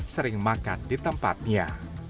sering makan di tempatnya